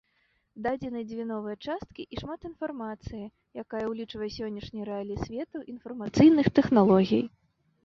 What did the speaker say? Дададзены дзве новыя часткі і шмат інфармацыі, якая ўлічвае сённяшнія рэаліі свету інфармацыйных тэхналогій.